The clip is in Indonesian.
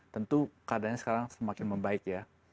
tentu keadaannya sekarang semakin membaik ya